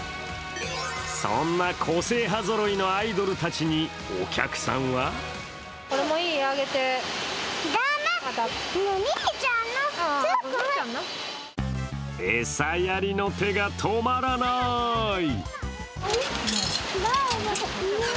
そんな個性派ぞろいのアイドルたちにお客さんは餌やりの手が止まらない。